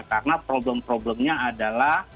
karena problem problemnya adalah